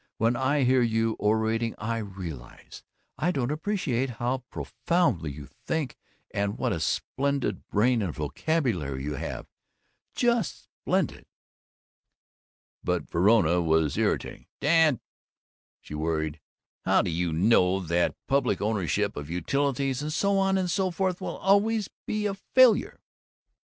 When I hear you orating I realize I don't appreciate how profoundly you think and what a splendid brain and vocabulary you have. Just splendid." But Verona was irritating. "Dad," she worried, "how do you know that public ownership of utilities and so on and so forth will always be a failure?"